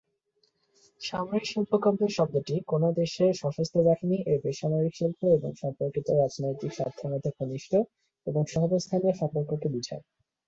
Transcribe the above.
সামরিক-শিল্প complex শব্দটি কোনও দেশের সশস্ত্র বাহিনী, এর বেসরকারী শিল্প এবং সম্পর্কিত রাজনৈতিক স্বার্থের মধ্যে ঘনিষ্ঠ এবং সহাবস্থানীয় সম্পর্ককে বোঝায়।